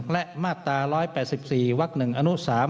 และมาตรา๑๘๔วัก๑อนุ๓